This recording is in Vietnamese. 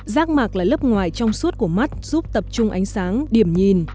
giác mạc là lớp ngoài trong suốt của mắt giúp tập trung ánh sáng điểm nhìn